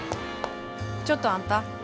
ちょっとあんた。